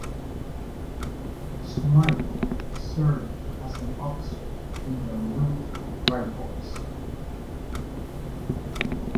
Smythe served as an officer in the Louth Rifles.